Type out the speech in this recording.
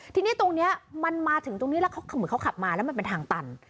ทีนี้ตรงนี้มันมาถึงตรงนี้แล้วเหมือนเขาขับมาแล้วมันเป็นทางตัน